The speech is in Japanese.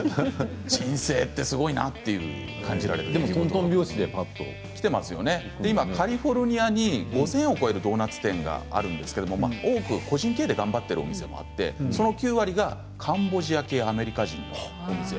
人生ってすごいなとでも、とんとん拍子で今カリフォルニアに５０００を超えるドーナツ店があるんですが個人経営で頑張ってるお店があってその９割がカンボジア系アメリカ人なんです。